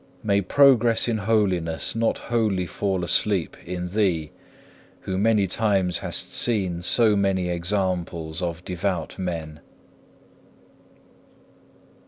May progress in holiness not wholly fall asleep in thee, who many times hast seen so many examples of devout men!